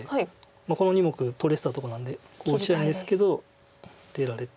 この２目取れてたとこなんでこう打ちたいんですけど出られて。